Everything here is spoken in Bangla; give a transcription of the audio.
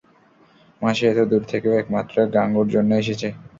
মাসি এতো দূর থেকে ও একমাত্র গাঙুর জন্যই এসেছে।